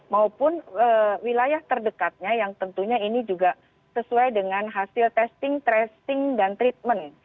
maupun wilayah terdekatnya yang tentunya ini juga sesuai dengan hasil testing tracing dan treatment